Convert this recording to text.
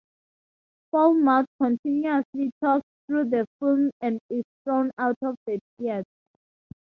Fowlmouth continuously talks through the film and is thrown out of the theater.